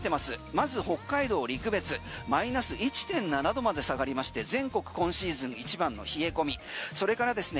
まず北海道陸別マイナス１．７度まで下がりまして全国今シーズン一番の冷え込みそれからですね